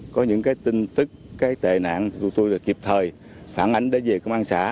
tài nạn thì chúng tôi là kịp thời phản ánh đến về công an xã